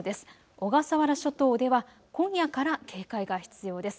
小笠原諸島では今夜から警戒が必要です。